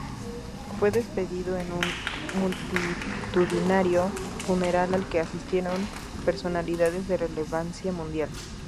Fue despedido en un multitudinario funeral al que asistieron personalidades de relevancia mundial.